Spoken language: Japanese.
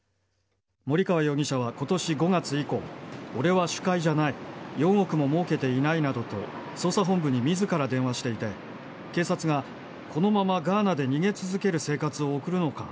森川容疑者はことし５月以降、俺は首魁じゃない、４億ももうけていないなどと捜査本部にみずから電話していて、警察が、このままガーナで逃げ続ける生活を送るのか？